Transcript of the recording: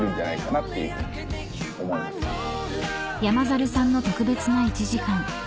［山猿さんの特別な１時間］